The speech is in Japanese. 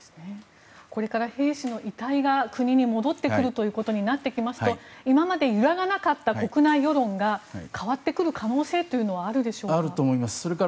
これから兵士の遺体が国に戻ってくることになってきますと今まで揺らがなかった国内世論が変わってくる可能性はあるでしょうか？